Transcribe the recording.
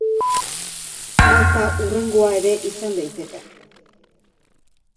Malta hurrengoa ere izan daiteke.